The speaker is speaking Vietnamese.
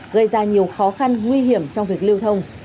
gây ra nhiều khó khăn nguy hiểm trong việc lưu thông